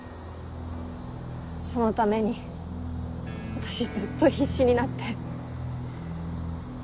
そのために私ずっと必死になって。